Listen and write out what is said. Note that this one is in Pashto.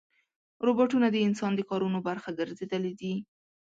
روباټونه د انسان د کارونو برخه ګرځېدلي دي.